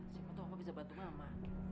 siapa tahu aku bisa bantu mama